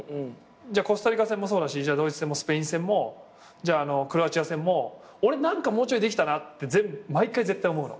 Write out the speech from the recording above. コスタリカ戦もそうだしドイツ戦もスペイン戦もクロアチア戦も俺何かもうちょいできたなって毎回絶対思うの。